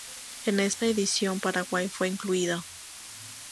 En esta edición, Paraguay fue incluido.